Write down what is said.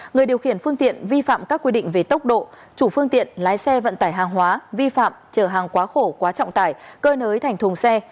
người điều khiển phương tiện vi phạm các quy định về tốc độ chủ phương tiện lái xe vận tải hàng hóa vi phạm chở hàng quá khổ quá trọng tải cơi nới thành thùng xe